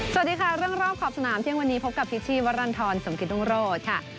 สวัสดีค่ะเรื่องรอบขอบสนามเที่ยงวันนี้พบกับพิชชีวรรณฑรสมกิตรุงโรธค่ะ